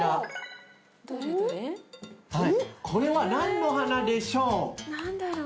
これは何の花でしょう？